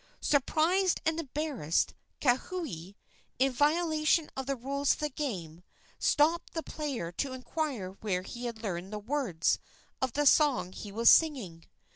Surprised and embarrassed, Kauhi, in violation of the rules of the game, stopped the player to inquire where he had learned the words of the song he was singing.